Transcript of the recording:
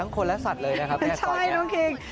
ครับท่าน